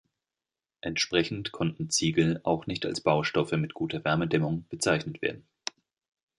Entsprechend konnten Ziegel auch nicht als Baustoffe mit guter Wärmedämmung bezeichnet werden.